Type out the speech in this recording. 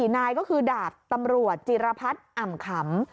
นายก็คือดาบตำรวจจิรพัฒน์อ่ำขำ